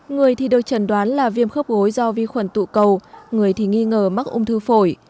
người thì được chẩn đoán là viêm khớp gối do vi khuẩn tụ cầu người thì nghi ngờ mắc ung thư phổi